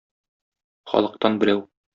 Халыктан берәү.